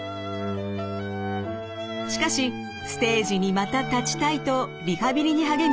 しかしステージにまた立ちたいとリハビリに励み